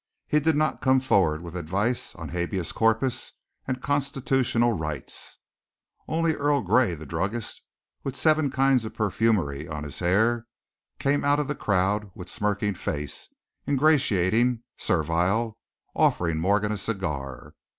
He did not come forward with advice on habeas corpus and constitutional rights. Only Earl Gray, the druggist, with seven kinds of perfumery on his hair, came out of the crowd with smirking face, ingratiating, servile, offering Morgan a cigar.